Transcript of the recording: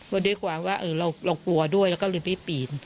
ว่าด้วยความว่าเรากลัวด้วยแล้วก็เลยไม่ปีน